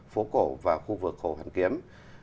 phố cổ và khu vực khổ hàn kiếm